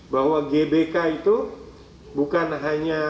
bahwa gbk itu bukan hanya